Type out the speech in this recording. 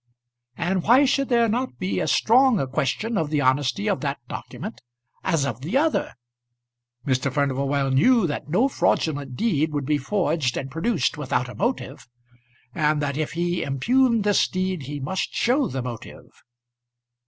And why should there not be as strong a question of the honesty of that document as of the other? Mr. Furnival well knew that no fraudulent deed would be forged and produced without a motive; and that if he impugned this deed he must show the motive.